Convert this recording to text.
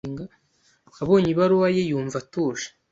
Abonye ibaruwa ye, yumva atuje.